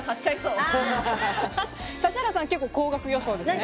指原さん、結構高額予想ですね。